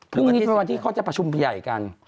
พรุ่งนี้หรือวันอาทิตย์เขาจะประชุมใหญ่กัน